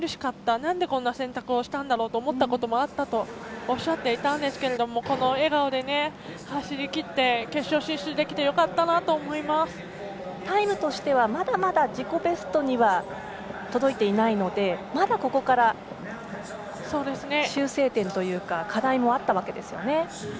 なんでこんな選択をしたんだろうと思ったこともあったとおっしゃっていたんですけれども笑顔で走りきって決勝進出できてタイムとしてはまだまだ自己ベストには届いていないのでまだここから修正点というか課題もあったわけですよね。